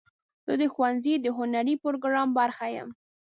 زه د ښوونځي د هنري پروګرام برخه یم.